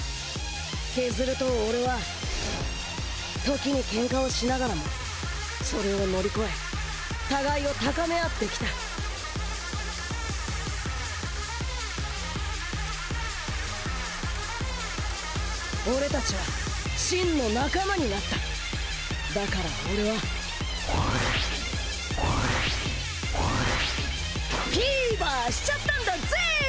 ケズルとオレは時にケンカをしながらもそれを乗り越え互いを高め合ってきたオレたちは真の仲間になっただからオレはフィーバーしちゃったんだぜーい！